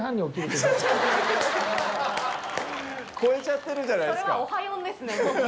超えちゃってるじゃないですか。